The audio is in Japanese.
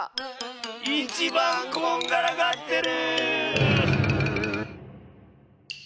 いちばんこんがらがってる！